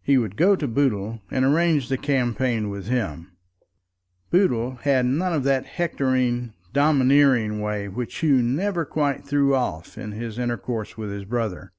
He would go to Boodle and arrange the campaign with him. Boodle had none of that hectoring, domineering way which Hugh never quite threw off in his intercourse with his brother.